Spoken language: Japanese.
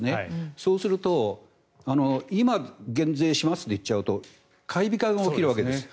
そうすると今減税しますって言っちゃうと買い控えが起きるわけです。